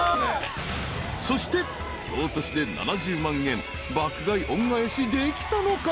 ［そして京都市で７０万円爆買い恩返しできたのか？］